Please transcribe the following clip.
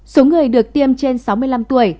số người được tiêm trên sáu mươi năm tuổi